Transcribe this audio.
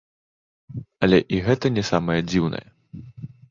Але і гэта не самае дзіўнае.